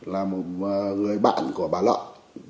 là một người bạn của bà lợi